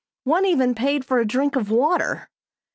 One even paid for a drink of water.